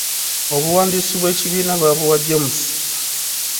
Obuwandiisi bw'ekibiina baabuwa James.